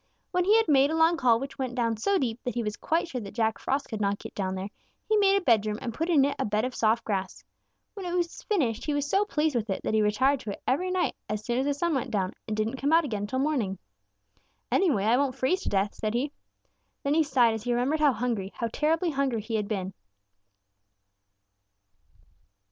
When he had made a long hall which went down so deep that he was quite sure that Jack Frost could not get down there, he made a bedroom and put in it a bed of soft grass. When it was finished, he was so pleased with it that he retired to it every night as soon as the sun went down and didn't come out again until morning. "'Anyway, I won't freeze to death,' said he. Then he sighed as he remembered how hungry, how terribly hungry he had been.